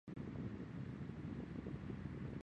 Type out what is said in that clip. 本公司属于东宝实业集团核心公司之一。